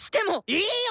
いいよ！